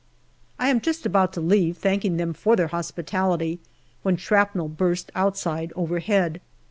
I am just about to leave, thanking them for their hospi tality, when shrapnel burst outside overhead.